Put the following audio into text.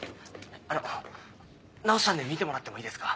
あの直したんで見てもらってもいいですか？